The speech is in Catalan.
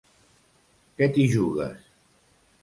Què t'hi jugues?